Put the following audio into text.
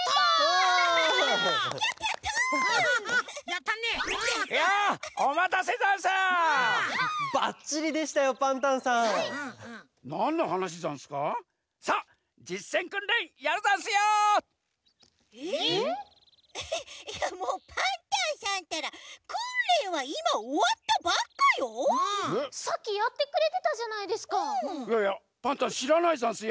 いやいやパンタンしらないざんすよ。